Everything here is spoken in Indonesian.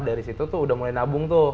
dari situ tuh udah mulai nabung tuh